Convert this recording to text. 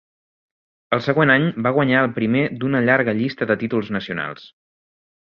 El següent any va guanyar el primer d'una llarga llista de títols nacionals.